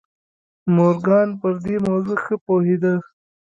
مورګان پر دې موضوع ښه پوهېده.